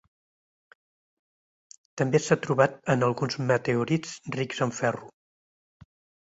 També s'ha trobat en alguns meteorits rics en ferro.